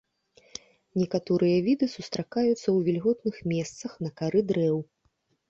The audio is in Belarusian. Некаторыя віды сустракаюцца ў вільготных месцах на кары дрэў.